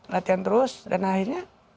latihan terus dan akhirnya